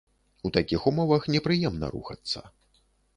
У такіх умовах непрыемна рухацца.